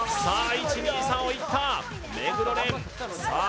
１・２・３をいった目黒蓮さあ